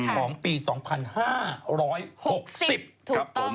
ของปีสองพันห้าร้อยหกสิบ